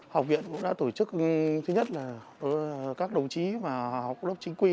học viện cũng đã tổ chức thứ nhất là các đồng chí mà học lớp chính quy